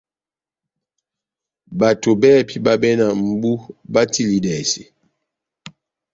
Bato bɛ́hɛ́pi báhabɛ na mʼbú batilidɛse.